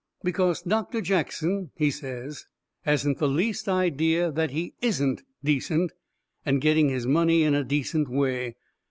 "Because Doctor Jackson," he says, "hasn't the least idea that he ISN'T decent, and getting his money in a decent way.